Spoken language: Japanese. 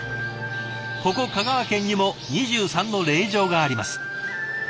ここ香川県にも２３の霊場があります。